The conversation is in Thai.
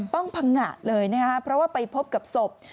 พังงะเลยนะครับเพราะว่าไปพบกับศพ